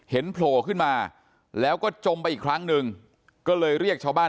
โผล่ขึ้นมาแล้วก็จมไปอีกครั้งหนึ่งก็เลยเรียกชาวบ้าน